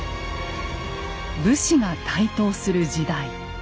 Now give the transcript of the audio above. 武士が台頭する時代。